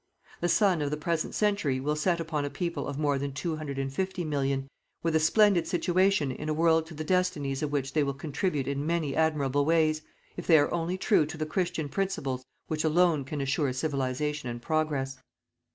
The sun of the present century will set upon a people of more than 250,000,000, with a splendid situation in a world to the destinies of which they will contribute in many admirable ways, if they are only true to the Christian principles which alone can assure Civilization and Progress.